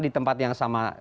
di tempat yang sama